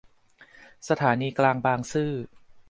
สถานีกลางบางซื่อ